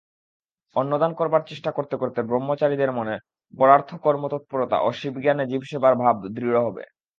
অন্নদান করবার চেষ্টা করতে করতে ব্রহ্মচারীদের মনে পরার্থকর্মতৎপরতা ও শিবজ্ঞানে জীবসেবার ভাব দৃঢ় হবে।